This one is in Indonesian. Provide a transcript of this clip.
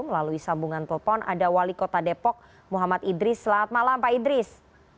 melalui sambungan telepon ada wali kota depok muhammad idris selamat malam pak idris